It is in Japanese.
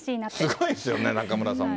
すごいですよね、中村さんも。